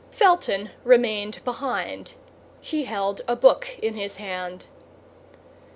Felton remained behind; he held a book in his hand.